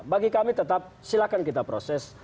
bagi kami tetap silakan kita proses